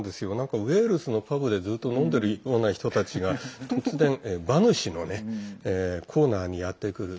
ウェールズのパブでずっと飲んでるような人たちが突然、馬主のコーナーにやってくる。